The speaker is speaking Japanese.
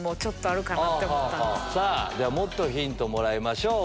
さぁもっとヒントもらいましょう。